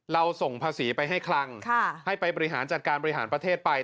ส่งภาษีไปให้คลังให้ไปบริหารจัดการบริหารประเทศไป